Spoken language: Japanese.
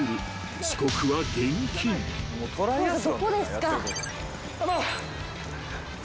どこですか？